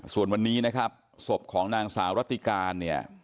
ส่วนวันนี้นะครับศพของนางสาวรัติการเนี่ย